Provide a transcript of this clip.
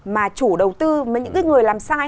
mà chủ đầu tư với những người làm sai